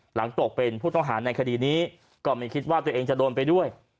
ตกเป็นผู้ต้องหาในคดีนี้ก็ไม่คิดว่าตัวเองจะโดนไปด้วย